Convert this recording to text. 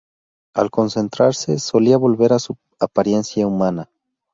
Al concentrarse, solía volver a su apariencia humana.